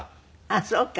あっそうか。